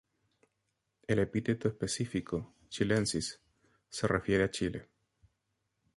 El epíteto específico "chilensis" se refiere a Chile.